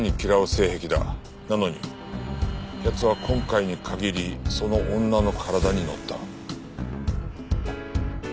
なのに奴は今回に限りその女の体に乗った。